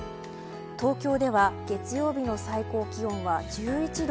東京では月曜日の最高気温は１１度。